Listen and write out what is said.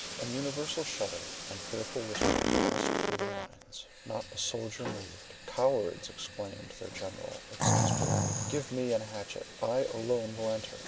An universal shudder and fearful whispering passed through the lines; not a soldier moved. "Cowards!" exclaimed their general, exasperated, "give me an hatchet! I alone will enter!